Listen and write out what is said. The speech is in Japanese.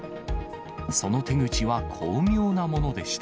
その手口は巧妙なものでした。